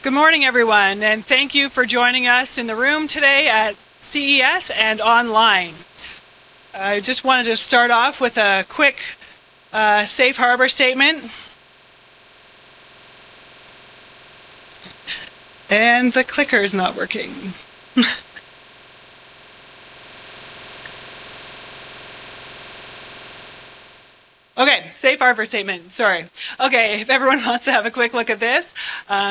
Good morning, everyone, and thank you for joining us in the room today at CES and online. I just wanted to start off with a quick Safe Harbor Statement, and the clicker is not working. Okay, Safe Harbor Statement, sorry. Okay, if everyone wants to have a quick look at this,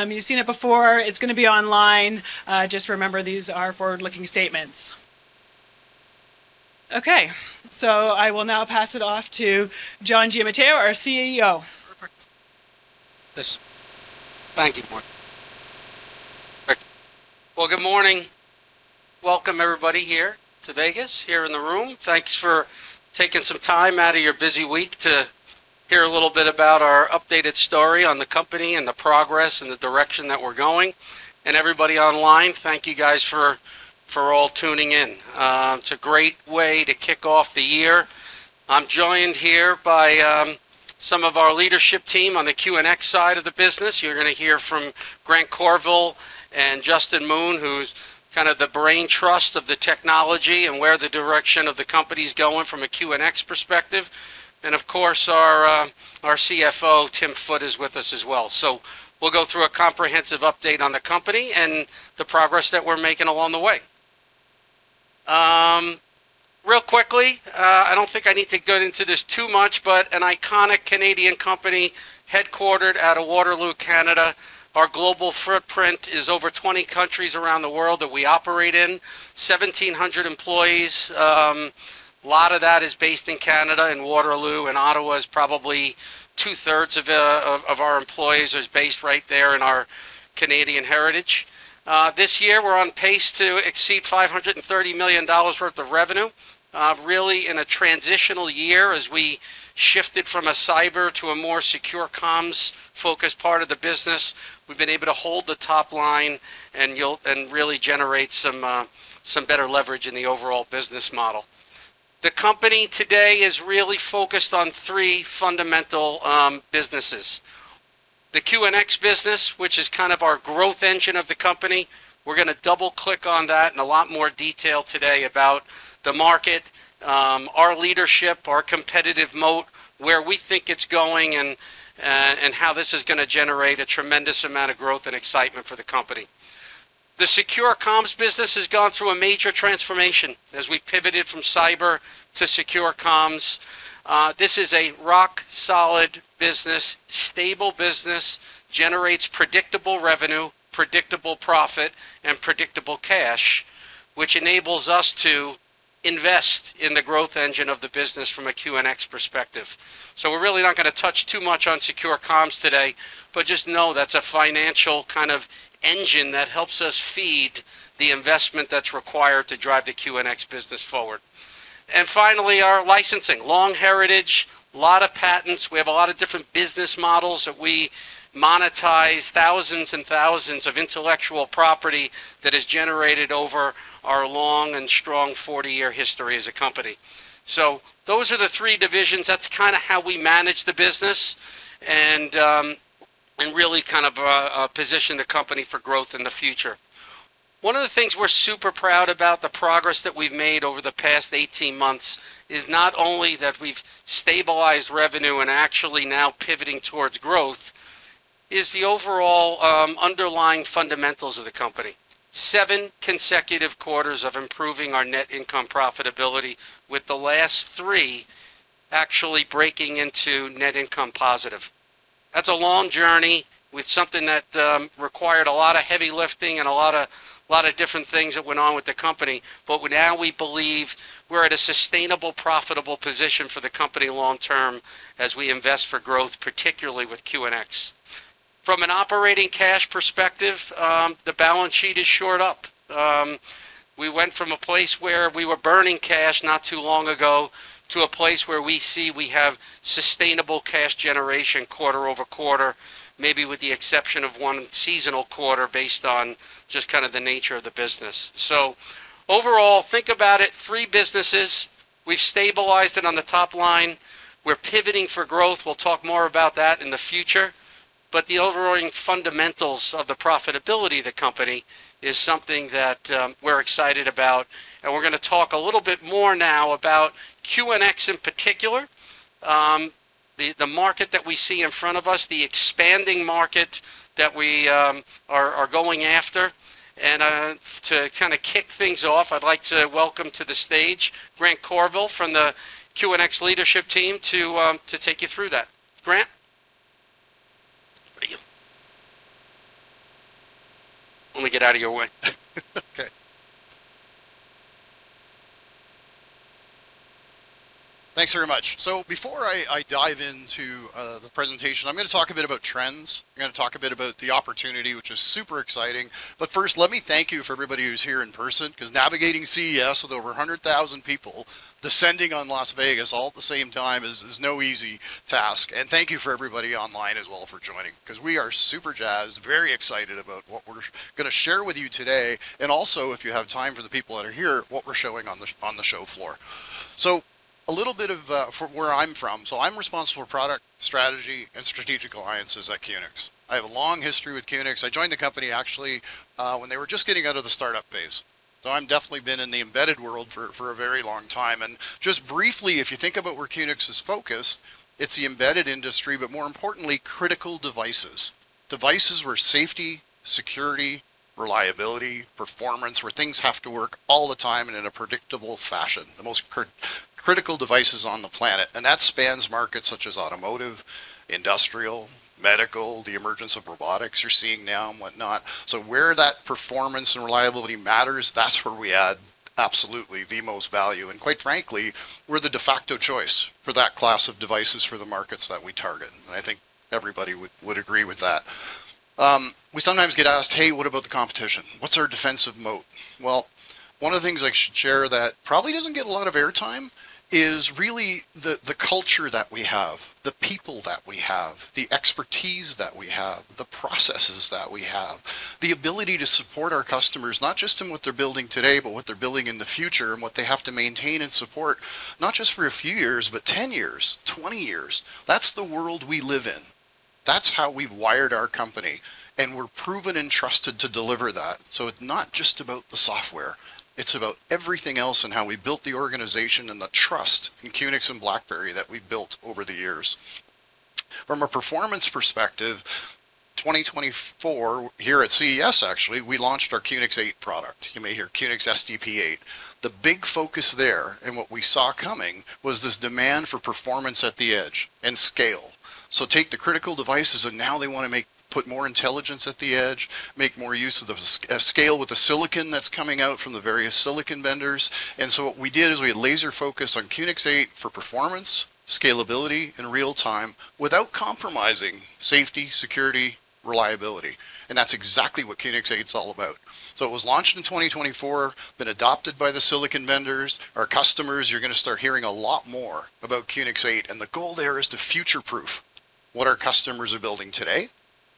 you've seen it before, it's going to be online. Just remember, these are forward-looking statements. Okay, so I will now pass it off to John Giamatteo, our CEO. Thanks. Thank you, Martha. Well, good morning. Welcome, everybody, here to Vegas, here in the room. Thanks for taking some time out of your busy week to hear a little bit about our updated story on the company and the progress and the direction that we're going. And everybody online, thank you guys for all tuning in. It's a great way to kick off the year. I'm joined here by some of our leadership team on the QNX side of the business. You're going to hear from Grant Courville and Justin Moon, who's kind of the brain trust of the technology and where the direction of the company's going from a QNX perspective. And of course, our CFO, Tim Foote, is with us as well. So we'll go through a comprehensive update on the company and the progress that we're making along the way. Real quickly, I don't think I need to get into this too much, but an iconic Canadian company headquartered out of Waterloo, Canada. Our global footprint is over 20 countries around the world that we operate in, 1,700 employees. A lot of that is based in Canada and Waterloo, and Ottawa is probably two-thirds of our employees is based right there in our Canadian heritage. This year, we're on pace to exceed $530 million worth of revenue, really in a transitional year as we shifted from a cyber to a more secure comms-focused part of the business. We've been able to hold the top line and really generate some better leverage in the overall business model. The company today is really focused on three fundamental businesses: the QNX business, which is kind of our growth engine of the company. We're going to double-click on that in a lot more detail today about the market, our leadership, our competitive moat, where we think it's going, and how this is going to generate a tremendous amount of growth and excitement for the company. The secure comms business has gone through a major transformation as we pivoted from cyber to secure comms. This is a rock-solid business, stable business, generates predictable revenue, predictable profit, and predictable cash, which enables us to invest in the growth engine of the business from a QNX perspective. So we're really not going to touch too much on secure comms today, but just know that's a financial kind of engine that helps us feed the investment that's required to drive the QNX business forward, and finally, our licensing, long heritage, a lot of patents. We have a lot of different business models that we monetize, thousands and thousands of intellectual property that has generated over our long and strong 40-year history as a company. So those are the three divisions. That's kind of how we manage the business and really kind of position the company for growth in the future. One of the things we're super proud about, the progress that we've made over the past 18 months, is not only that we've stabilized revenue and actually now pivoting towards growth, is the overall underlying fundamentals of the company: seven consecutive quarters of improving our net income profitability, with the last three actually breaking into net income positive. That's a long journey with something that required a lot of heavy lifting and a lot of different things that went on with the company. But now we believe we're at a sustainable, profitable position for the company long-term as we invest for growth, particularly with QNX. From an operating cash perspective, the balance sheet is shored up. We went from a place where we were burning cash not too long ago to a place where we see we have sustainable cash generation quarter over quarter, maybe with the exception of one seasonal quarter based on just kind of the nature of the business. So overall, think about it: three businesses. We've stabilized it on the top line. We're pivoting for growth. We'll talk more about that in the future. But the overall fundamentals of the profitability of the company is something that we're excited about. We're going to talk a little bit more now about QNX in particular, the market that we see in front of us, the expanding market that we are going after. To kind of kick things off, I'd like to welcome to the stage Grant Courville from the QNX leadership team to take you through that. Grant. There you go. Let me get out of your way. Okay. Thanks very much. So before I dive into the presentation, I'm going to talk a bit about trends. I'm going to talk a bit about the opportunity, which is super exciting. But first, let me thank you for everybody who's here in person because navigating CES with over 100,000 people descending on Las Vegas all at the same time is no easy task. And thank you for everybody online as well for joining because we are super jazzed, very excited about what we're going to share with you today. And also, if you have time for the people that are here, what we're showing on the show floor. So a little bit of where I'm from. So I'm responsible for product strategy and strategic alliances at QNX. I have a long history with QNX. I joined the company, actually, when they were just getting out of the startup phase. So I've definitely been in the embedded world for a very long time. And just briefly, if you think about where QNX is focused, it's the embedded industry, but more importantly, critical devices. Devices where safety, security, reliability, performance, where things have to work all the time and in a predictable fashion, the most critical devices on the planet. And that spans markets such as automotive, industrial, medical, the emergence of robotics you're seeing now, and whatnot. So where that performance and reliability matters, that's where we add absolutely the most value. And quite frankly, we're the de facto choice for that class of devices for the markets that we target. And I think everybody would agree with that. We sometimes get asked, "Hey, what about the competition? What's our defensive moat?" Well, one of the things I should share that probably doesn't get a lot of airtime is really the culture that we have, the people that we have, the expertise that we have, the processes that we have, the ability to support our customers, not just in what they're building today, but what they're building in the future, and what they have to maintain and support, not just for a few years, but 10 years, 20 years. That's the world we live in. That's how we've wired our company. And we're proven and trusted to deliver that. So it's not just about the software. It's about everything else and how we built the organization and the trust in QNX and BlackBerry that we built over the years. From a performance perspective, 2024, here at CES, actually, we launched our QNX 8.0 product. You may hear QNX SDP 8.0. The big focus there and what we saw coming was this demand for performance at the edge and scale, so take the critical devices, and now they want to put more intelligence at the edge, make more use of the scale with the silicon that's coming out from the various silicon vendors, and so what we did is we had laser focus on QNX 8.0 for performance, scalability, and real-time without compromising safety, security, reliability, and that's exactly what QNX 8.0 is all about, so it was launched in 2024, been adopted by the silicon vendors. Our customers, you're going to start hearing a lot more about QNX 8.0, and the goal there is to future-proof what our customers are building today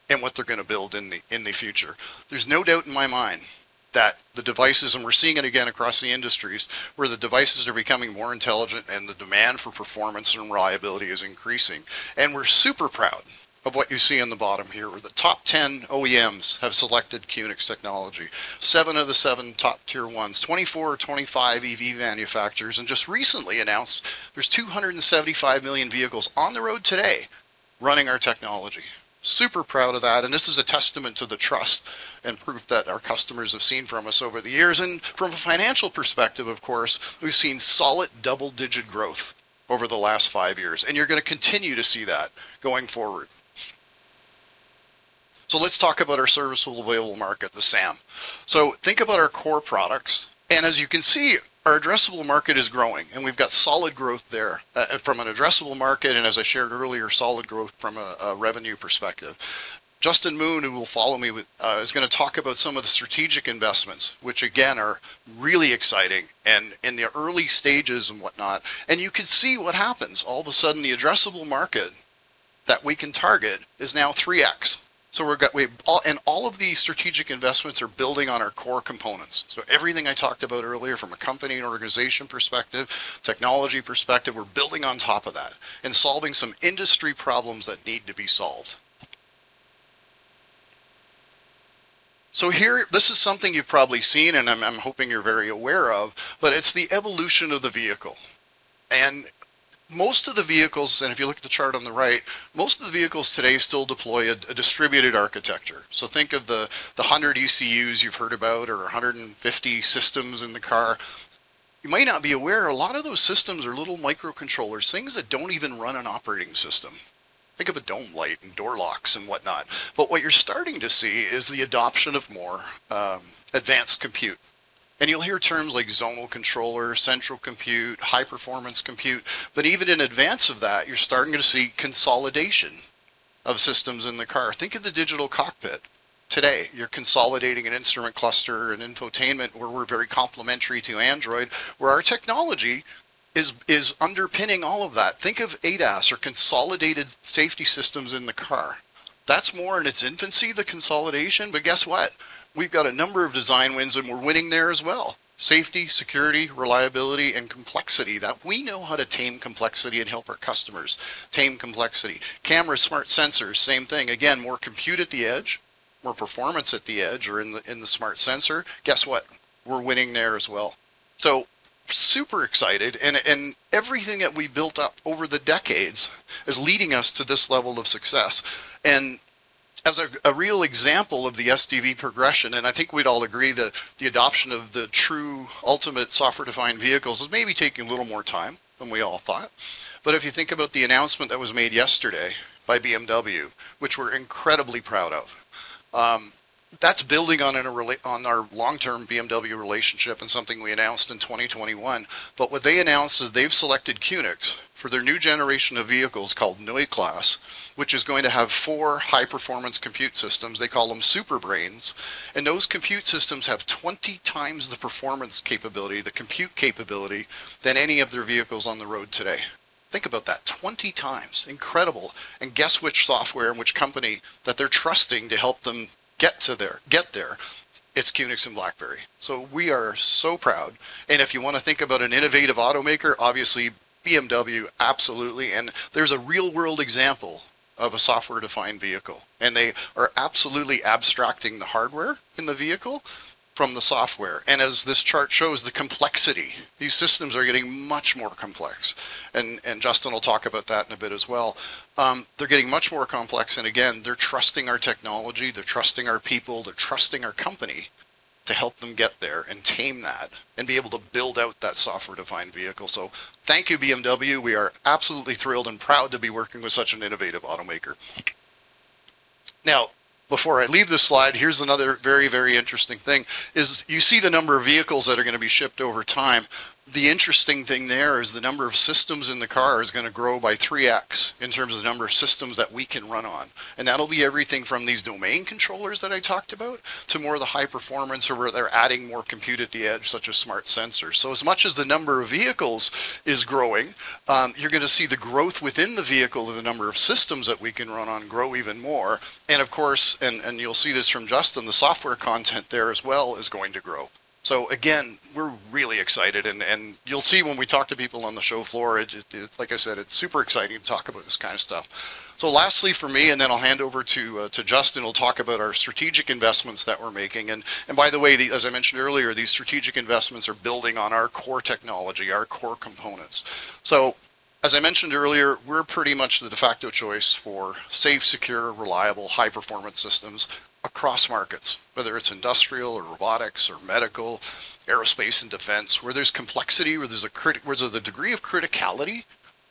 and what they're going to build in the future. There's no doubt in my mind that the devices, and we're seeing it again across the industries, where the devices are becoming more intelligent and the demand for performance and reliability is increasing. And we're super proud of what you see in the bottom here. The top 10 OEMs have selected QNX technology, 7 of the 7 top Tier 1s, 24 or 25 EV manufacturers, and just recently announced there's 275 million vehicles on the road today running our technology. Super proud of that. And this is a testament to the trust and proof that our customers have seen from us over the years. And from a financial perspective, of course, we've seen solid double-digit growth over the last five years. And you're going to continue to see that going forward. So let's talk about our serviceable available market, the SAM. So think about our core products. As you can see, our addressable market is growing. We've got solid growth there from an addressable market and, as I shared earlier, solid growth from a revenue perspective. Justin Moon, who will follow me, is going to talk about some of the strategic investments, which, again, are really exciting and in the early stages and whatnot. You can see what happens. All of a sudden, the addressable market that we can target is now 3X. All of these strategic investments are building on our core components. Everything I talked about earlier from a company and organization perspective, technology perspective, we're building on top of that and solving some industry problems that need to be solved. Here, this is something you've probably seen, and I'm hoping you're very aware of, but it's the evolution of the vehicle. And most of the vehicles, and if you look at the chart on the right, most of the vehicles today still deploy a distributed architecture. So think of the 100 ECUs you've heard about or 150 systems in the car. You might not be aware a lot of those systems are little microcontrollers, things that don't even run an operating system. Think of a dome light and door locks and whatnot. But what you're starting to see is the adoption of more advanced compute. And you'll hear terms like zonal controller, central compute, high-performance compute. But even in advance of that, you're starting to see consolidation of systems in the car. Think of the digital cockpit. Today, you're consolidating an instrument cluster, an infotainment, where we're very complementary to Android, where our technology is underpinning all of that. Think of ADAS or consolidated safety systems in the car. That's more in its infancy, the consolidation. But guess what? We've got a number of design wins, and we're winning there as well: safety, security, reliability, and complexity that we know how to tame complexity and help our customers tame complexity. Cameras, smart sensors, same thing. Again, more compute at the edge, more performance at the edge, or in the smart sensor. Guess what? We're winning there as well. So super excited. And everything that we built up over the decades is leading us to this level of success. And as a real example of the SDV progression, and I think we'd all agree that the adoption of the true ultimate software-defined vehicles is maybe taking a little more time than we all thought. But if you think about the announcement that was made yesterday by BMW, which we're incredibly proud of, that's building on our long-term BMW relationship and something we announced in 2021. But what they announced is they've selected QNX for their new generation of vehicles called Neue Klasse, which is going to have four high-performance compute systems. They call them Super Brains. And those compute systems have 20 times the performance capability, the compute capability, than any of their vehicles on the road today. Think about that: 20 times. Incredible. And guess which software and which company that they're trusting to help them get there. It's QNX and BlackBerry. So we are so proud. And if you want to think about an innovative automaker, obviously, BMW, absolutely. And there's a real-world example of a software-defined vehicle. And they are absolutely abstracting the hardware in the vehicle from the software. And as this chart shows, the complexity. These systems are getting much more complex. And Justin will talk about that in a bit as well. They're getting much more complex. And again, they're trusting our technology. They're trusting our people. They're trusting our company to help them get there and tame that and be able to build out that software-defined vehicle. So thank you, BMW. We are absolutely thrilled and proud to be working with such an innovative automaker. Now, before I leave this slide, here's another very, very interesting thing. You see the number of vehicles that are going to be shipped over time. The interesting thing there is the number of systems in the car is going to grow by 3X in terms of the number of systems that we can run on. And that'll be everything from these domain controllers that I talked about to more of the high-performance where they're adding more compute at the edge, such as smart sensors, so as much as the number of vehicles is growing, you're going to see the growth within the vehicle and the number of systems that we can run on grow even more, and of course and you'll see this from Justin, the software content there as well is going to grow, so again, we're really excited, and you'll see when we talk to people on the show floor, like I said, it's super exciting to talk about this kind of stuff, so lastly for me, and then I'll hand over to Justin, who will talk about our strategic investments that we're making. And by the way, as I mentioned earlier, these strategic investments are building on our core technology, our core components. So as I mentioned earlier, we're pretty much the de facto choice for safe, secure, reliable, high-performance systems across markets, whether it's industrial or robotics or medical, aerospace and defense, where there's complexity, where there's a degree of criticality.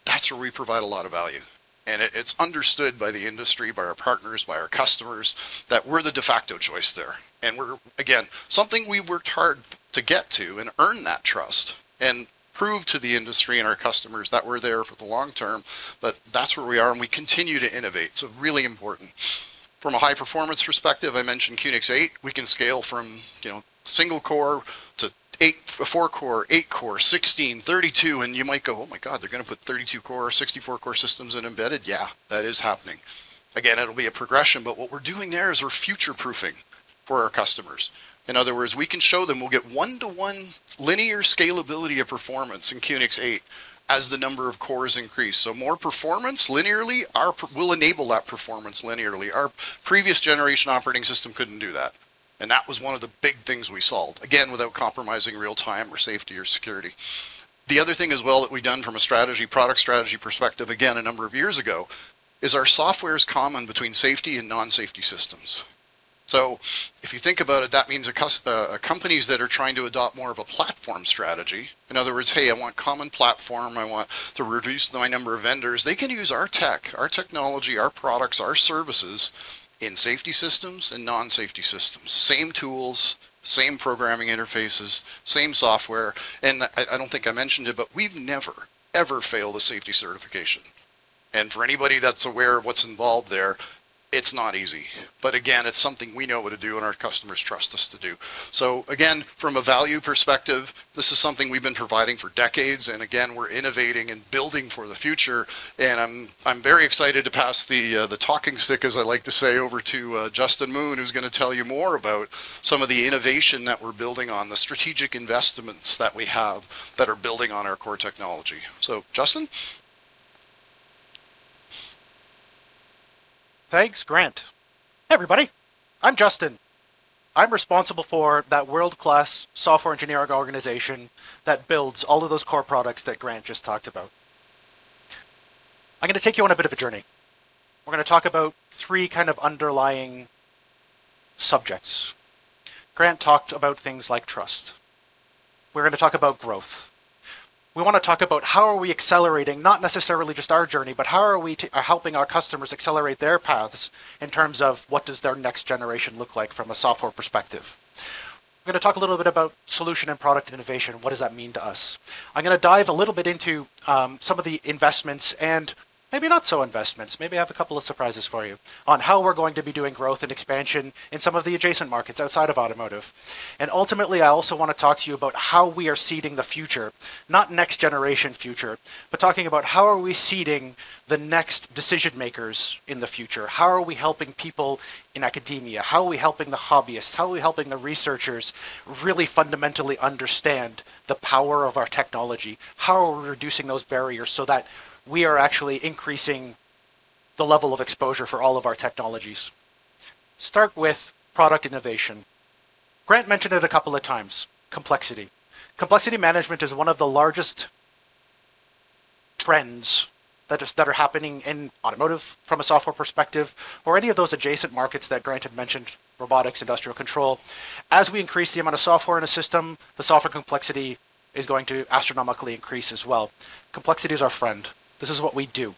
That's where we provide a lot of value. And it's understood by the industry, by our partners, by our customers that we're the de facto choice there. And we're, again, something we worked hard to get to and earn that trust and prove to the industry and our customers that we're there for the long term. But that's where we are. And we continue to innovate. It's really important. From a high-performance perspective, I mentioned QNX 8. We can scale from single core to four core, eight core, 16, 32. You might go, "Oh my God, they're going to put 32-core, 64-core systems in embedded?" Yeah, that is happening. Again, it'll be a progression. But what we're doing there is we're future-proofing for our customers. In other words, we can show them we'll get one-to-one linear scalability of performance in QNX 8.0 as the number of cores increase. So more performance linearly will enable that performance linearly. Our previous generation operating system couldn't do that. And that was one of the big things we solved, again, without compromising real-time or safety or security. The other thing as well that we've done from a product strategy perspective, again, a number of years ago, is our software is common between safety and non-safety systems. So if you think about it, that means companies that are trying to adopt more of a platform strategy, in other words, "Hey, I want common platform. I want to reduce my number of vendors," they can use our tech, our technology, our products, our services in safety systems and non-safety systems. Same tools, same programming interfaces, same software. And I don't think I mentioned it, but we've never, ever failed a safety certification. And for anybody that's aware of what's involved there, it's not easy. But again, it's something we know what to do and our customers trust us to do. So again, from a value perspective, this is something we've been providing for decades. And again, we're innovating and building for the future. And I'm very excited to pass the talking stick, as I like to say, over to Justin Moon, who's going to tell you more about some of the innovation that we're building on, the strategic investments that we have that are building on our core technology. So Justin? Thanks, Grant. Hey, everybody. I'm Justin. I'm responsible for that world-class software engineering organization that builds all of those core products that Grant just talked about. I'm going to take you on a bit of a journey. We're going to talk about three kind of underlying subjects. Grant talked about things like trust. We're going to talk about growth. We want to talk about how are we accelerating, not necessarily just our journey, but how are we helping our customers accelerate their paths in terms of what does their next generation look like from a software perspective. We're going to talk a little bit about solution and product innovation. What does that mean to us? I'm going to dive a little bit into some of the investments and maybe not so investments. Maybe I have a couple of surprises for you on how we're going to be doing growth and expansion in some of the adjacent markets outside of automotive, and ultimately I also want to talk to you about how we are seeding the future, not next-generation future, but talking about how are we seeding the next decision-makers in the future? How are we helping people in academia? How are we helping the hobbyists? How are we helping the researchers really fundamentally understand the power of our technology? How are we reducing those barriers so that we are actually increasing the level of exposure for all of our technologies? Start with product innovation. Grant mentioned it a couple of times: complexity. Complexity management is one of the largest trends that are happening in automotive from a software perspective or any of those adjacent markets that Grant had mentioned: robotics, industrial control. As we increase the amount of software in a system, the software complexity is going to astronomically increase as well. Complexity is our friend. This is what we do.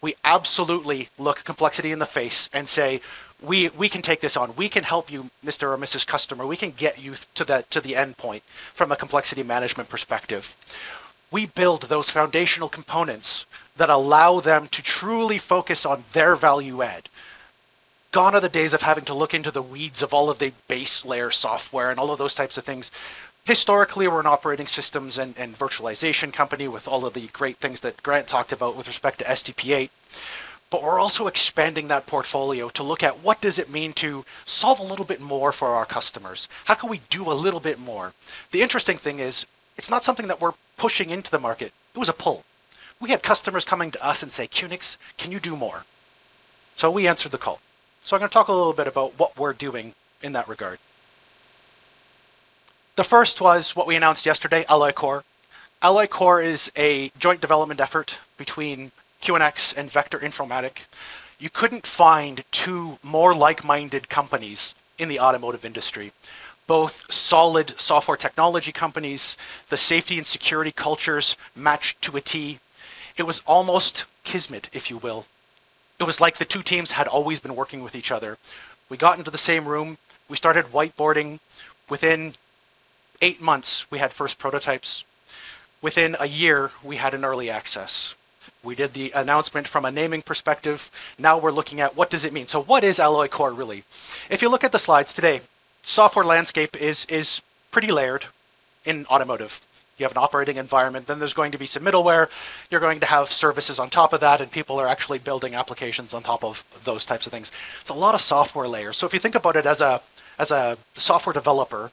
We absolutely look complexity in the face and say, "We can take this on. We can help you, Mr. or Mrs. Customer. We can get you to the end point from a complexity management perspective." We build those foundational components that allow them to truly focus on their value add. Gone are the days of having to look into the weeds of all of the base layer software and all of those types of things. Historically, we're an operating systems and virtualization company with all of the great things that Grant talked about with respect to SDP 8.0. But we're also expanding that portfolio to look at what does it mean to solve a little bit more for our customers. How can we do a little bit more? The interesting thing is it's not something that we're pushing into the market. It was a pull. We had customers coming to us and say, "QNX, can you do more?" So we answered the call. So I'm going to talk a little bit about what we're doing in that regard. The first was what we announced yesterday: Alloy Kore. Alloy Kore is a joint development effort between QNX and Vector Informatik. You couldn't find two more like-minded companies in the automotive industry, both solid software technology companies. The safety and security cultures matched to a T. It was almost kismet, if you will. It was like the two teams had always been working with each other. We got into the same room. We started whiteboarding. Within eight months, we had first prototypes. Within a year, we had an early access. We did the announcement from a naming perspective. Now we're looking at what does it mean? So what is Alloy Kore really? If you look at the slides today, the software landscape is pretty layered in automotive. You have an operating environment. Then there's going to be some middleware. You're going to have services on top of that. And people are actually building applications on top of those types of things. It's a lot of software layers. So if you think about it as a software developer,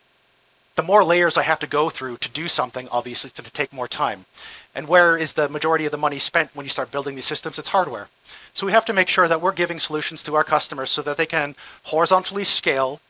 the more layers I have to go through to do something, obviously, to take more time. And where is the majority of the money spent when you start building these systems? It's hardware. So we have to make sure that we're giving solutions to our customers so that they can horizontally scale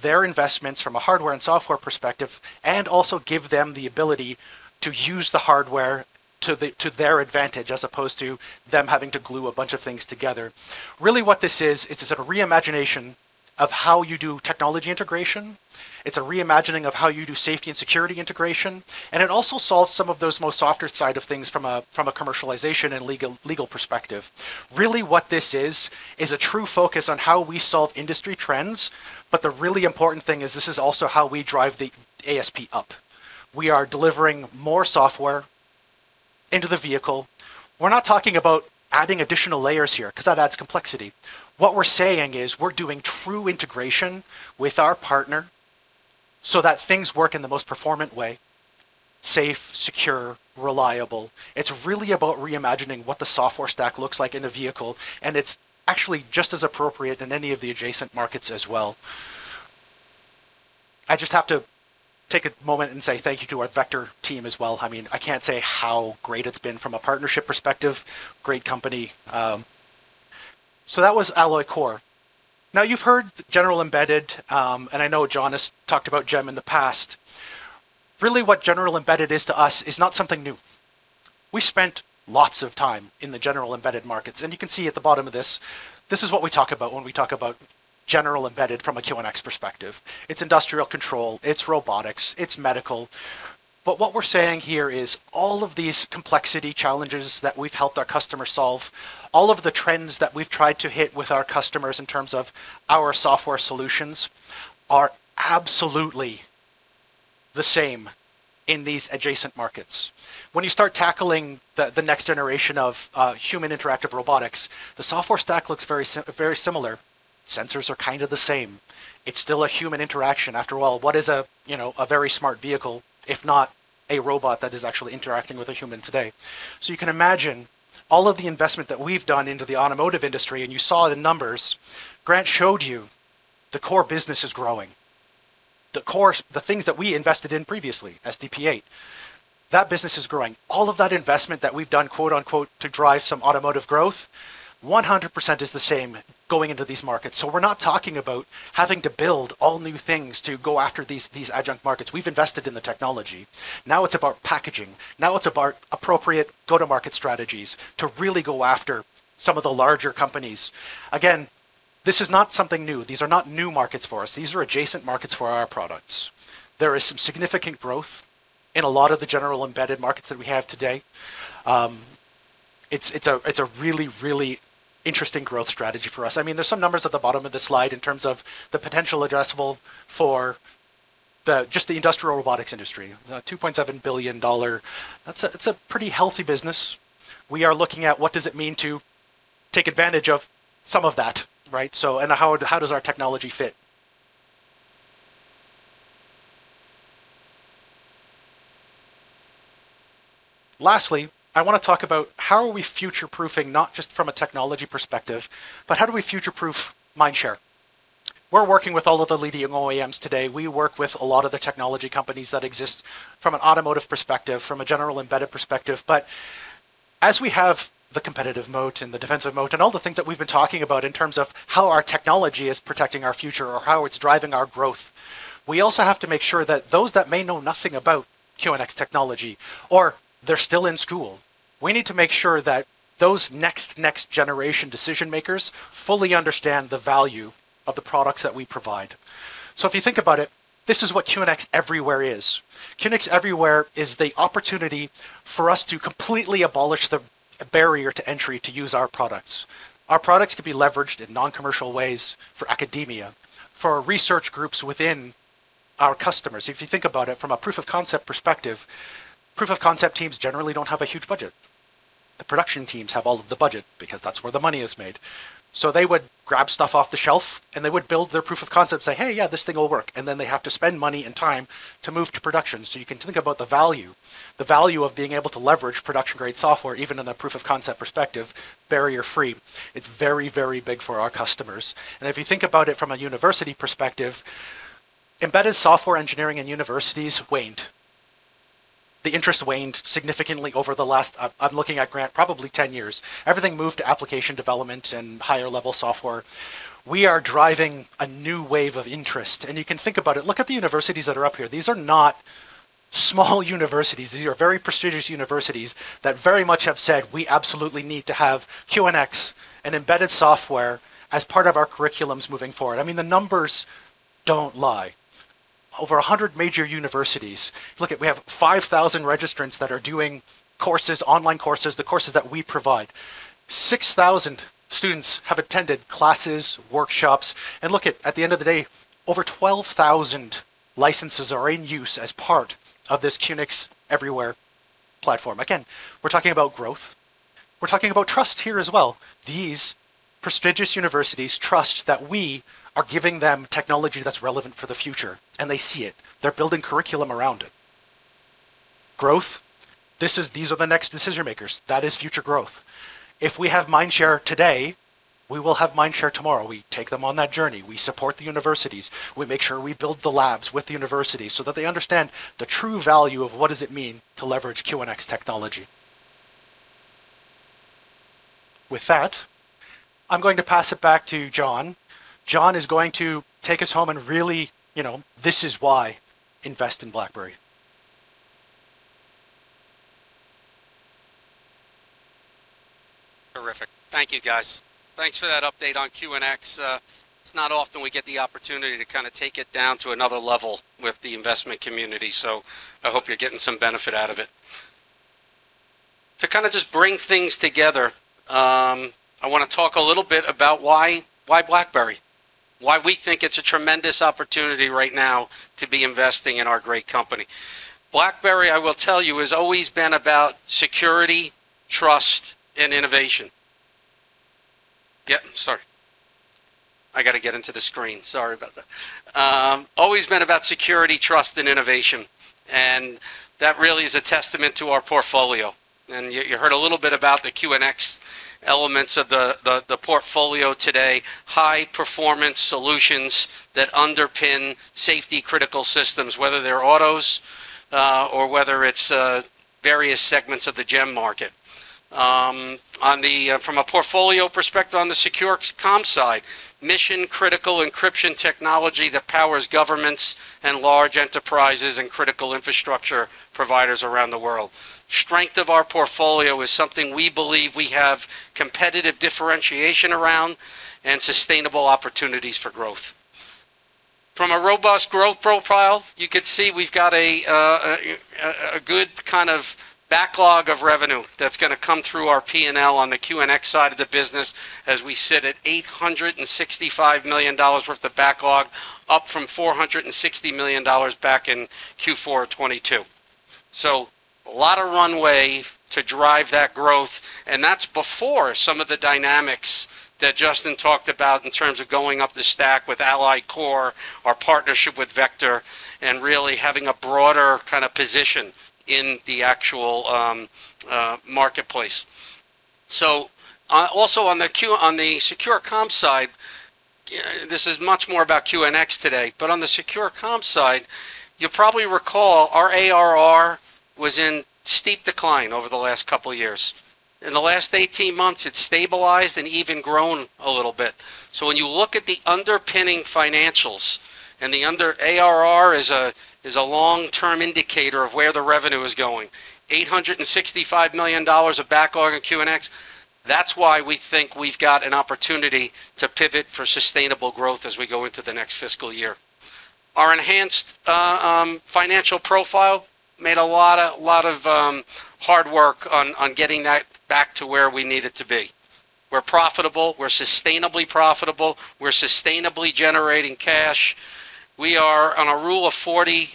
their investments from a hardware and software perspective and also give them the ability to use the hardware to their advantage as opposed to them having to glue a bunch of things together. Really, what this is, it's a reimagination of how you do technology integration. It's a reimagining of how you do safety and security integration. And it also solves some of those more softer side of things from a commercialization and legal perspective. Really, what this is, is a true focus on how we solve industry trends. But the really important thing is this is also how we drive the ASP up. We are delivering more software into the vehicle. We're not talking about adding additional layers here because that adds complexity. What we're saying is we're doing true integration with our partner so that things work in the most performant way: safe, secure, reliable. It's really about reimagining what the software stack looks like in a vehicle. And it's actually just as appropriate in any of the adjacent markets as well. I just have to take a moment and say thank you to our Vector team as well. I mean, I can't say how great it's been from a partnership perspective. Great company. So that was Alloy Kore. Now, you've heard General Embedded. And I know John has talked about GEM in the past. Really, what General Embedded is to us is not something new. We spent lots of time in the General Embedded markets. And you can see at the bottom of this, this is what we talk about when we talk about General Embedded from a QNX perspective. It's industrial control. It's robotics. It's medical. But what we're saying here is all of these complexity challenges that we've helped our customers solve, all of the trends that we've tried to hit with our customers in terms of our software solutions are absolutely the same in these adjacent markets. When you start tackling the next generation of human interactive robotics, the software stack looks very similar. Sensors are kind of the same. It's still a human interaction. After all, what is a very smart vehicle if not a robot that is actually interacting with a human today? So you can imagine all of the investment that we've done into the automotive industry. And you saw the numbers. Grant showed you the core business is growing. The things that we invested in previously, SDP 8.0, that business is growing. All of that investment that we've done, quote-unquote, "to drive some automotive growth," 100% is the same going into these markets. So we're not talking about having to build all new things to go after these adjacent markets. We've invested in the technology. Now it's about packaging. Now it's about appropriate go-to-market strategies to really go after some of the larger companies. Again, this is not something new. These are not new markets for us. These are adjacent markets for our products. There is some significant growth in a lot of the General Embedded markets that we have today. It's a really, really interesting growth strategy for us. I mean, there's some numbers at the bottom of the slide in terms of the potential addressable for just the industrial robotics industry. $2.7 billion. It's a pretty healthy business. We are looking at what does it mean to take advantage of some of that, right? And how does our technology fit? Lastly, I want to talk about how are we future-proofing, not just from a technology perspective, but how do we future-proof mindshare? We're working with all of the leading OEMs today. We work with a lot of the technology companies that exist from an automotive perspective, from a General Embedded perspective. But as we have the competitive moat and the defensive moat and all the things that we've been talking about in terms of how our technology is protecting our future or how it's driving our growth, we also have to make sure that those that may know nothing about QNX technology or they're still in school, we need to make sure that those next-generation decision-makers fully understand the value of the products that we provide. So if you think about it, this is what QNX Everywhere is. QNX Everywhere is the opportunity for us to completely abolish the barrier to entry to use our products. Our products can be leveraged in non-commercial ways for academia, for research groups within our customers. If you think about it from a proof-of-concept perspective, proof-of-concept teams generally don't have a huge budget. The production teams have all of the budget because that's where the money is made. So they would grab stuff off the shelf, and they would build their proof-of-concept, say, "Hey, yeah, this thing will work." And then they have to spend money and time to move to production. So you can think about the value, the value of being able to leverage production-grade software, even in a proof-of-concept perspective, barrier-free. It's very, very big for our customers. If you think about it from a university perspective, embedded software engineering in universities waned. The interest waned significantly over the last, I'm looking at Grant, probably 10 years. Everything moved to application development and higher-level software. We are driving a new wave of interest. You can think about it. Look at the universities that are up here. These are not small universities. These are very prestigious universities that very much have said, "We absolutely need to have QNX and embedded software as part of our curriculums moving forward." I mean, the numbers don't lie. Over 100 major universities. Look at, we have 5,000 registrants that are doing courses, online courses, the courses that we provide. 6,000 students have attended classes, workshops. Look at the end of the day, over 12,000 licenses are in use as part of this QNX Everywhere platform. Again, we're talking about growth. We're talking about trust here as well. These prestigious universities trust that we are giving them technology that's relevant for the future. And they see it. They're building curriculum around it. Growth, these are the next decision-makers. That is future growth. If we have mindshare today, we will have mindshare tomorrow. We take them on that journey. We support the universities. We make sure we build the labs with the universities so that they understand the true value of what does it mean to leverage QNX technology. With that, I'm going to pass it back to John. John is going to take us home and really, this is why invest in BlackBerry. Terrific. Thank you, guys. Thanks for that update on QNX. It's not often we get the opportunity to kind of take it down to another level with the investment community. So I hope you're getting some benefit out of it. To kind of just bring things together, I want to talk a little bit about why BlackBerry, why we think it's a tremendous opportunity right now to be investing in our great company. BlackBerry, I will tell you, has always been about security, trust, and innovation. Yep, sorry. I got to get into the screen. Sorry about that. Always been about security, trust, and innovation. And that really is a testament to our portfolio. And you heard a little bit about the QNX elements of the portfolio today, high-performance solutions that underpin safety-critical systems, whether they're autos or whether it's various segments of the GEM market. From a portfolio perspective on the secure comm side, mission-critical encryption technology that powers governments and large enterprises and critical infrastructure providers around the world. Strength of our portfolio is something we believe we have competitive differentiation around and sustainable opportunities for growth. From a robust growth profile, you could see we've got a good kind of backlog of revenue that's going to come through our P&L on the QNX side of the business as we sit at $865 million worth of backlog, up from $460 million back in Q4 2022, so a lot of runway to drive that growth, and that's before some of the dynamics that Justin talked about in terms of going up the stack with Alloy Kore, our partnership with Vector, and really having a broader kind of position in the actual marketplace, so also on the secure comm side, this is much more about QNX today, but on the secure comm side, you'll probably recall our ARR was in steep decline over the last couple of years. In the last 18 months, it's stabilized and even grown a little bit. So when you look at the underpinning financials and the ARR is a long-term indicator of where the revenue is going, $865 million of backlog in QNX, that's why we think we've got an opportunity to pivot for sustainable growth as we go into the next fiscal year. Our enhanced financial profile made a lot of hard work on getting that back to where we need it to be. We're profitable. We're sustainably profitable. We're sustainably generating cash. We are on a Rule of 40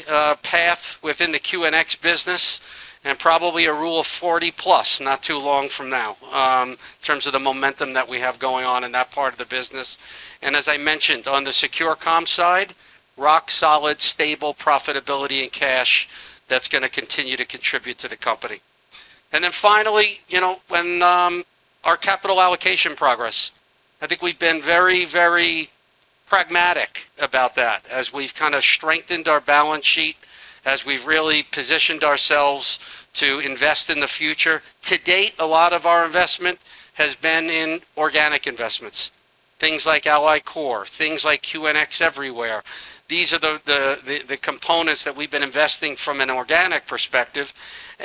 path within the QNX business and probably a Rule of 40 plus, not too long from now, in terms of the momentum that we have going on in that part of the business. As I mentioned, on the secure comm side, rock-solid, stable profitability and cash that's going to continue to contribute to the company. Then finally, our capital allocation progress. I think we've been very, very pragmatic about that as we've kind of strengthened our balance sheet, as we've really positioned ourselves to invest in the future. To date, a lot of our investment has been in organic investments, things like Alloy Kore, things like QNX Everywhere. These are the components that we've been investing from an organic perspective.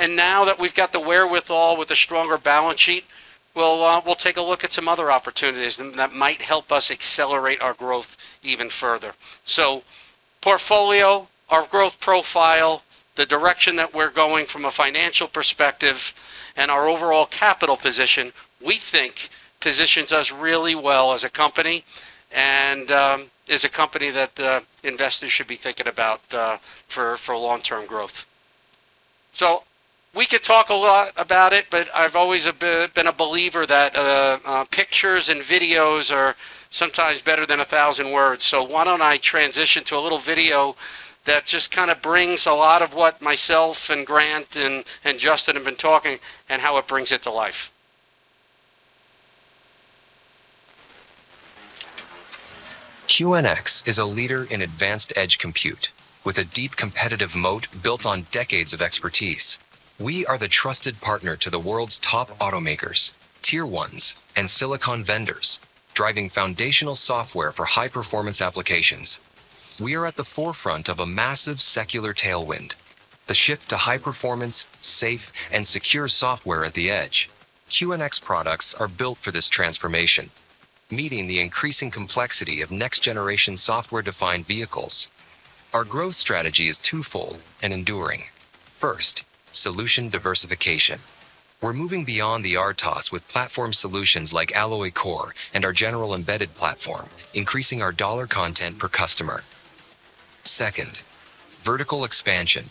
Now that we've got the wherewithal with a stronger balance sheet, we'll take a look at some other opportunities that might help us accelerate our growth even further. So portfolio, our growth profile, the direction that we're going from a financial perspective, and our overall capital position, we think positions us really well as a company and is a company that investors should be thinking about for long-term growth. We could talk a lot about it, but I've always been a believer that pictures and videos are sometimes better than a thousand words. Why don't I transition to a little video that just kind of brings a lot of what myself and Grant and Justin have been talking and how it brings it to life. QNX is a leader in advanced edge compute with a deep competitive moat built on decades of expertise. We are the trusted partner to the world's top automakers, Tier 1s, and silicon vendors, driving foundational software for high-performance applications. We are at the forefront of a massive secular tailwind, the shift to high-performance, safe, and secure software at the edge. QNX products are built for this transformation, meeting the increasing complexity of next-generation software-defined vehicles. Our growth strategy is twofold and enduring. First, solution diversification. We're moving beyond the RTOS with platform solutions like Alloy Kore and our General Embedded platform, increasing our dollar content per customer. Second, vertical expansion.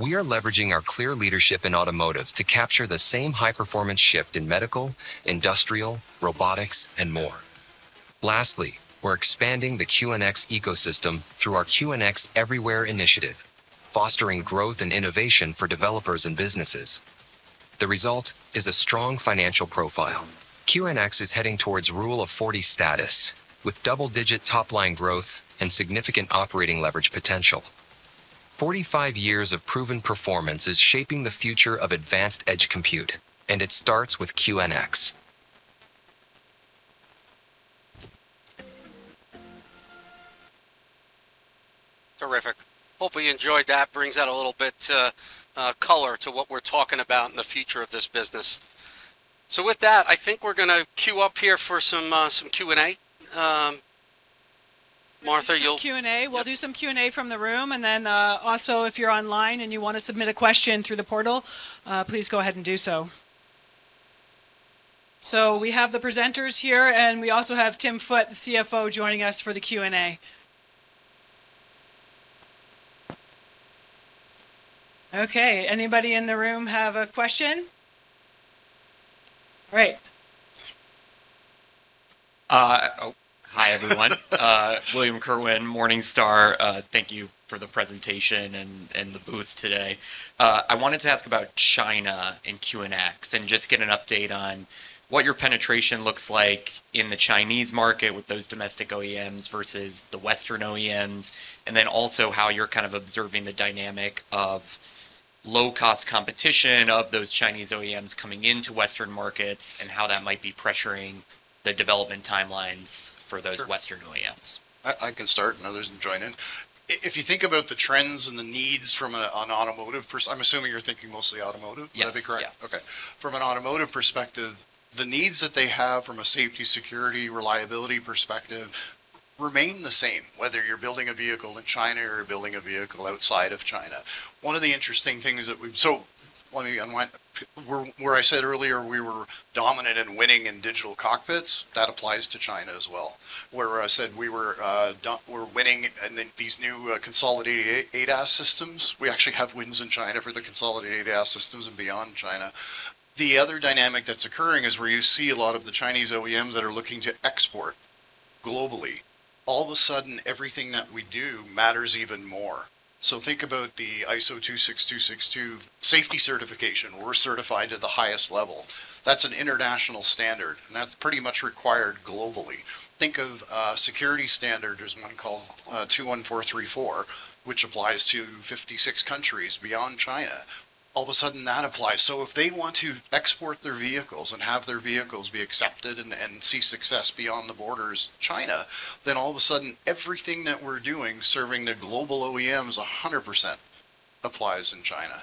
We are leveraging our clear leadership in automotive to capture the same high-performance shift in medical, industrial, robotics, and more. Lastly, we're expanding the QNX ecosystem through our QNX Everywhere initiative, fostering growth and innovation for developers and businesses. The result is a strong financial profile. QNX is heading towards Rule of 40 status with double-digit top-line growth and significant operating leverage potential. 45 years of proven performance is shaping the future of advanced edge compute, and it starts with QNX. Terrific. Hope we enjoyed that. Brings out a little bit of color to what we're talking about in the future of this business. So with that, I think we're going to queue up here for some Q&A. Martha. We'll do some Q&A. We'll do some Q&A from the room. And then also, if you're online and you want to submit a question through the portal, please go ahead and do so. So we have the presenters here, and we also have Tim Foote, the CFO, joining us for the Q&A. Okay. Anybody in the room have a question? All right. Hi, everyone. William Kerwin, Morningstar. Thank you for the presentation and the booth today. I wanted to ask about China and QNX and just get an update on what your penetration looks like in the Chinese market with those domestic OEMs versus the Western OEMs, and then also how you're kind of observing the dynamic of low-cost competition of those Chinese OEMs coming into Western markets and how that might be pressuring the development timelines for those Western OEMs? I can start and others can join in. If you think about the trends and the needs from an automotive, I'm assuming you're thinking mostly automotive. Yes. That'd be correct. Okay. From an automotive perspective, the needs that they have from a safety, security, reliability perspective remain the same, whether you're building a vehicle in China or you're building a vehicle outside of China. One of the interesting things that we, so where I said earlier we were dominant and winning in digital cockpits, that applies to China as well. Where I said we were winning in these new consolidated ADAS systems, we actually have wins in China for the consolidated ADAS systems and beyond China. The other dynamic that's occurring is where you see a lot of the Chinese OEMs that are looking to export globally. All of a sudden, everything that we do matters even more. So think about the ISO 26262 safety certification. We're certified at the highest level. That's an international standard, and that's pretty much required globally. Think of security standard. There's one called ISO 21434, which applies to 56 countries beyond China. All of a sudden, that applies. So if they want to export their vehicles and have their vehicles be accepted and see success beyond the borders, China, then all of a sudden, everything that we're doing serving the global OEMs 100% applies in China.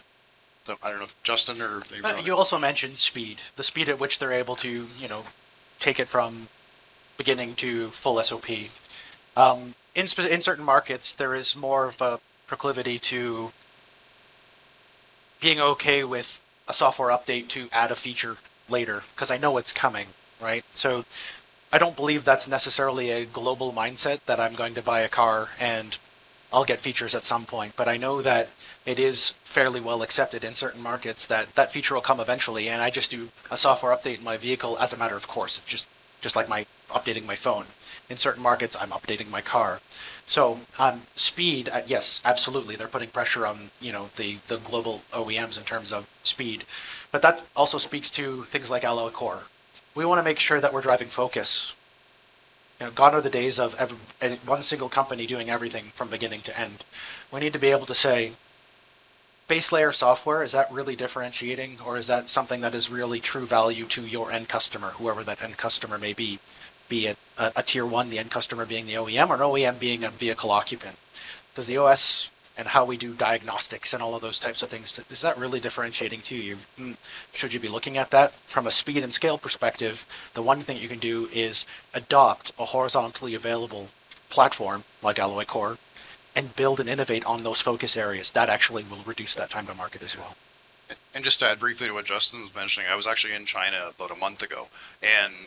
So I don't know if Justin or. You also mentioned speed, the speed at which they're able to take it from beginning to full SOP. In certain markets, there is more of a proclivity to being okay with a software update to add a feature later because I know it's coming, right? So I don't believe that's necessarily a global mindset that I'm going to buy a car and I'll get features at some point. But I know that it is fairly well accepted in certain markets that that feature will come eventually. I just do a software update in my vehicle as a matter of course, just like me updating my phone. In certain markets, I'm updating my car. Speed, yes, absolutely. They're putting pressure on the global OEMs in terms of speed. But that also speaks to things like Alloy Kore. We want to make sure that we're driving focus. Gone are the days of one single company doing everything from beginning to end. We need to be able to say, "Base layer software, is that really differentiating, or is that something that is really true value to your end customer, whoever that end customer may be, be it a Tier 1, the end customer being the OEM, or an OEM being a vehicle occupant?" Because the OS and how we do diagnostics and all of those types of things, is that really differentiating to you? Should you be looking at that? From a speed and scale perspective, the one thing you can do is adopt a horizontally available platform like Alloy Kore and build and innovate on those focus areas. That actually will reduce that time to market as well. Just to add briefly to what Justin was mentioning, I was actually in China about a month ago.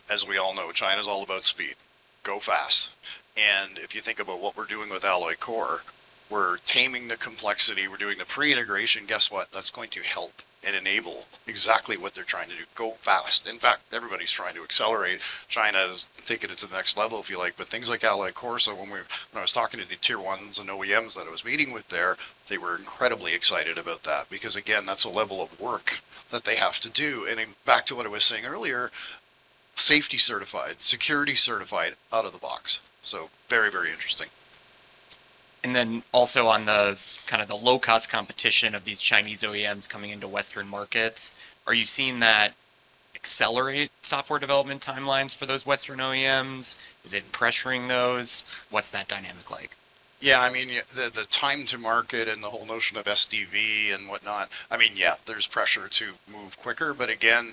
As we all know, China is all about speed. Go fast. If you think about what we're doing with Alloy Kore, we're taming the complexity. We're doing the pre-integration. Guess what? That's going to help and enable exactly what they're trying to do. Go fast. In fact, everybody's trying to accelerate. China is taking it to the next level, if you like, but things like Alloy Kore. So when I was talking to the Tier 1s and OEMs that I was meeting with there, they were incredibly excited about that because, again, that's a level of work that they have to do. And back to what I was saying earlier, safety-certified, security-certified, out of the box. So very, very interesting. And then also on the kind of the low-cost competition of these Chinese OEMs coming into Western markets, are you seeing that accelerate software development timelines for those Western OEMs? Is it pressuring those? What's that dynamic like? Yeah. I mean, the time to market and the whole notion of SDV and whatnot. I mean, yeah, there's pressure to move quicker. But again,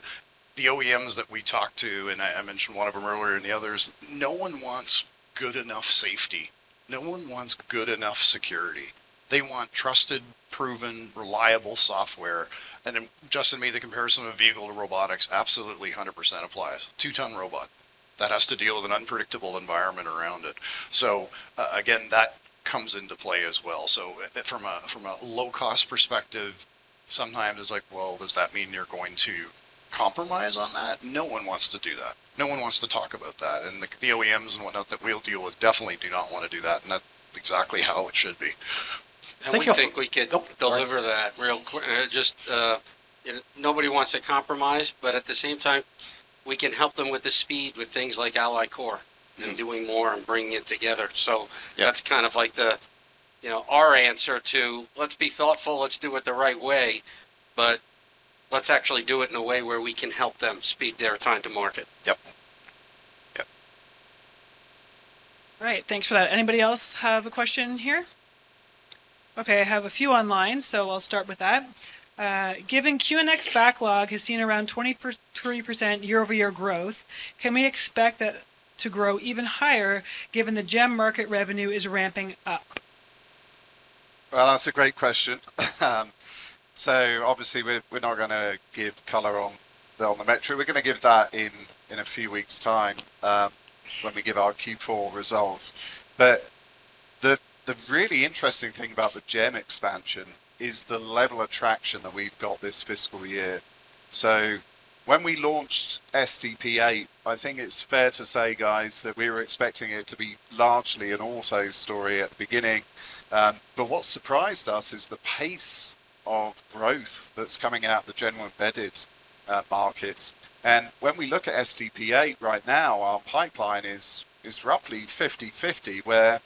the OEMs that we talked to, and I mentioned one of them earlier and the others, no one wants good enough safety. No one wants good enough security. They want trusted, proven, reliable software. Justin made the comparison of vehicle to robotics. Absolutely 100% applies. Two-ton robot that has to deal with an unpredictable environment around it. So again, that comes into play as well. So from a low-cost perspective, sometimes it's like, "Well, does that mean you're going to compromise on that?" No one wants to do that. No one wants to talk about that. And the OEMs and whatnot that we'll deal with definitely do not want to do that. And that's exactly how it should be. I think we could deliver that real quick. Just nobody wants to compromise, but at the same time, we can help them with the speed with things like Alloy Kore and doing more and bringing it together. So that's kind of like our answer to, "Let's be thoughtful. Let's do it the right way, but let's actually do it in a way where we can help them speed their time to market." Yep. Yep. All right. Thanks for that. Anybody else have a question here? Okay. I have a few online, so I'll start with that. Given QNX backlog has seen around 20% year-over-year growth, can we expect to grow even higher given the GEM market revenue is ramping up? That's a great question. Obviously, we're not going to give color on the metric. We're going to give that in a few weeks' time when we give our Q4 results. The really interesting thing about the GEM expansion is the level of traction that we've got this fiscal year. When we launched SDP 8.0, I think it's fair to say, guys, that we were expecting it to be largely an auto story at the beginning. But what surprised us is the pace of growth that's coming out of the general embedded markets. And when we look at SDP 8.0 right now, our pipeline is roughly 50/50, where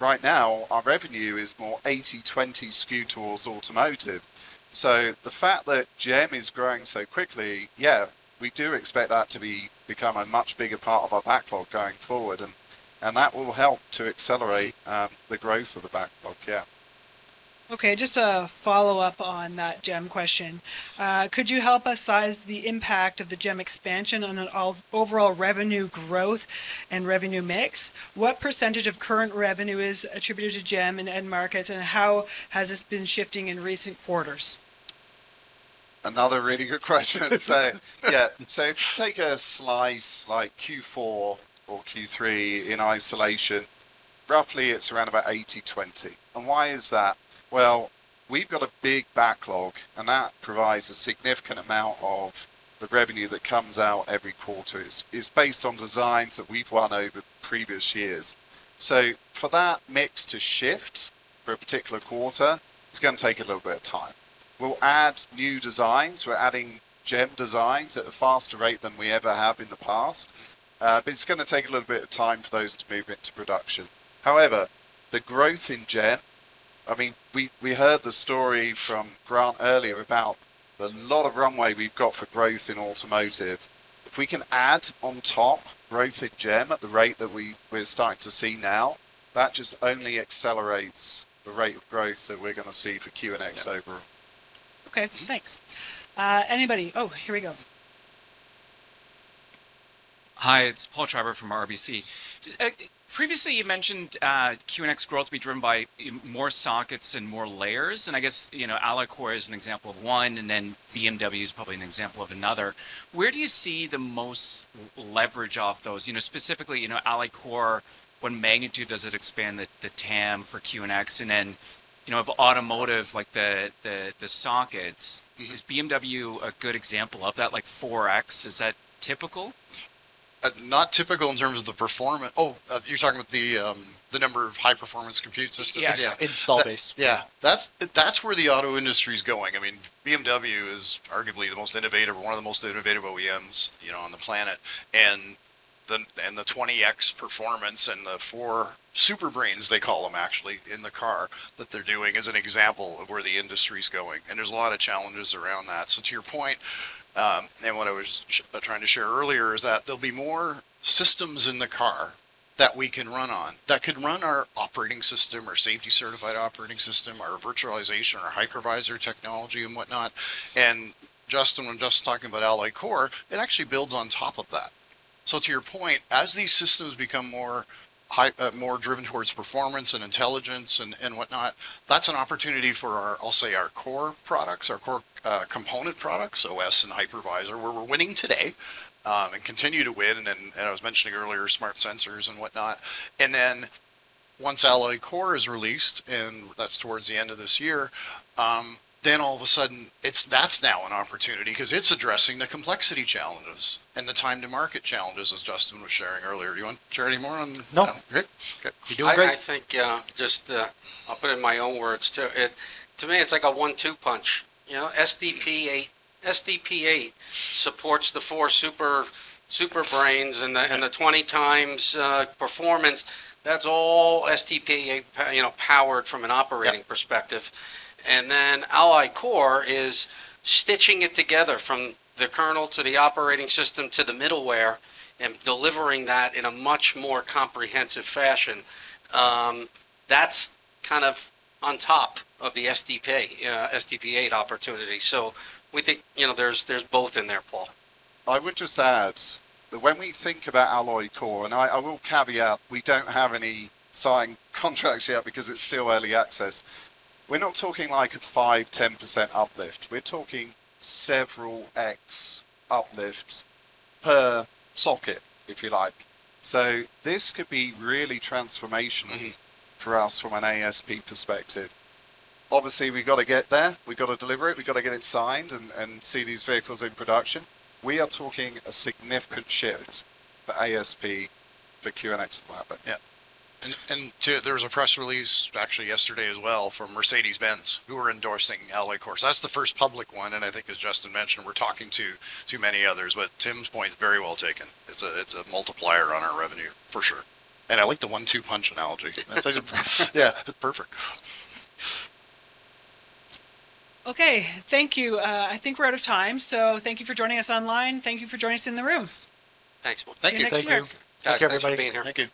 right now our revenue is more 80/20 skew towards automotive. So the fact that GEM is growing so quickly, yeah, we do expect that to become a much bigger part of our backlog going forward. And that will help to accelerate the growth of the backlog. Yeah. Okay. Just a follow-up on that GEM question. Could you help us size the impact of the GEM expansion on overall revenue growth and revenue mix? What percentage of current revenue is attributed to GEM and end markets, and how has this been shifting in recent quarters? Another really good question. Yeah. So if you take a slice like Q4 or Q3 in isolation, roughly it's around about 80/20. Why is that? We've got a big backlog, and that provides a significant amount of the revenue that comes out every quarter. It's based on designs that we've won over previous years. So for that mix to shift for a particular quarter, it's going to take a little bit of time. We'll add new designs. We're adding GEM designs at a faster rate than we ever have in the past. But it's going to take a little bit of time for those to move into production. However, the growth in GEM, I mean, we heard the story from Grant earlier about a lot of runway we've got for growth in automotive. If we can add on top growth in GEM at the rate that we're starting to see now, that just only accelerates the rate of growth that we're going to see for QNX overall. Okay. Thanks. Anybody? Oh, here we go. Hi. It's Paul Treiber from RBC. Previously, you mentioned QNX growth would be driven by more sockets and more layers, and I guess Alloy Kore is an example of one, and then BMW is probably an example of another. Where do you see the most leverage off those? Specifically, Alloy Kore, what magnitude does it expand the TAM for QNX, and then of automotive, like the sockets, is BMW a good example of that, like 4X? Is that typical? Not typical in terms of the performance. Oh, you're talking about the number of high-performance compute systems? Yeah. Yeah. Install-based. Yeah. That's where the auto industry is going. I mean, BMW is arguably the most innovative, one of the most innovative OEMs on the planet. The 20X performance and the four Super Brains, they call them actually, in the car that they're doing is an example of where the industry is going. There's a lot of challenges around that. To your point, what I was trying to share earlier is that there'll be more systems in the car that we can run on that could run our operating system or safety-certified operating system or virtualization or hypervisor technology and whatnot. Justin, when Justin's talking about Alloy Kore, it actually builds on top of that. To your point, as these systems become more driven towards performance and intelligence and whatnot, that's an opportunity for, I'll say, our core products, our core component products, OS and hypervisor, where we're winning today and continue to win. I was mentioning earlier smart sensors and whatnot. And then once Alloy Kore is released, and that's towards the end of this year, then all of a sudden, that's now an opportunity because it's addressing the complexity challenges and the time-to-market challenges, as Justin was sharing earlier. Do you want to share any more on that? No. You're doing great. I think just I'll put it in my own words too. To me, it's like a one-two punch. SDP 8.0 supports the four Super Brains and the 20 times performance. That's all SDP 8.0 powered from an operating perspective. And then Alloy Kore is stitching it together from the kernel to the operating system to the middleware and delivering that in a much more comprehensive fashion. That's kind of on top of the SDP 8.0 opportunity. So we think there's both in there, Paul. I would just add that when we think about Alloy Kore, and I will caveat, we don't have any signed contracts yet because it's still early access. We're not talking like a 5%-10% uplift. We're talking several X uplifts per socket, if you like. So this could be really transformational for us from an ASP perspective. Obviously, we've got to get there. We've got to deliver it. We've got to get it signed and see these vehicles in production. We are talking a significant shift for ASP for QNX and whatnot. Yeah, and there was a press release actually yesterday as well from Mercedes-Benz who are endorsing Alloy Kore. So that's the first public one, and I think, as Justin mentioned, we're talking to many others. But Tim's point is very well taken. It's a multiplier on our revenue, for sure, and I like the one-two punch analogy. Yeah. Perfect. Okay. Thank you. I think we're out of time. So thank you for joining us online. Thank you for joining us in the room. Thanks. Well, thank you. Thank you. Thank you, everybody. Thank you.